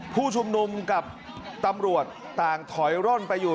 ผู้ชุมนุมกับตำรวจต่างถอยร่นไปอยู่